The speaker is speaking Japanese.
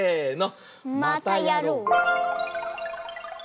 またやろう！